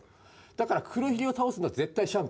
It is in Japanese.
だから黒ひげを倒すのは絶対シャンクスです。